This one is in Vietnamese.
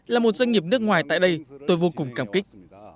là một doanh nghiệp nước ngoài tại đây tôi vô cùng cảm kích